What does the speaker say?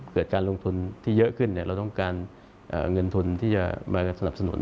การลงทุนที่เยอะขึ้นเราต้องการเงินทุนที่จะมาสนับสนุน